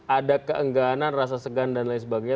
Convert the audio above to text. ada keengganan rasa segan dan lain sebagainya